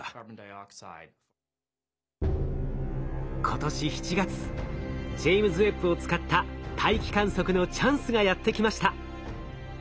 今年７月ジェイムズ・ウェッブを使った大気観測のチャンスがやってきました。